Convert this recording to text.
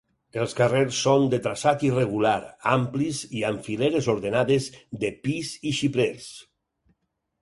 Els carrers són de traçat irregular, amplis i amb fileres ordenades de pis i xiprers.